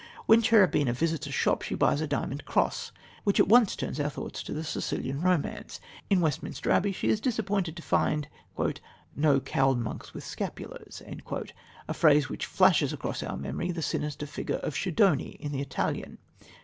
When Cherubina visits a shop she buys a diamond cross, which at once turns our thoughts to The Sicilian Romance. In Westminster Abbey she is disappointed to find "no cowled monks with scapulars" a phrase which flashes across our memory the sinister figure of Schedoni in The Italian.